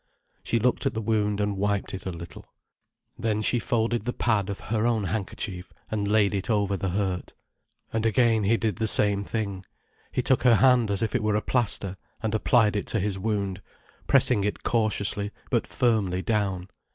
She looked at the wound, and wiped it a little. Then she folded the pad of her own handkerchief, and laid it over the hurt. And again he did the same thing, he took her hand as if it were a plaster, and applied it to his wound, pressing it cautiously but firmly down.